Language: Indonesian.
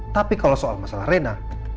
tapi kalau soal masalah rena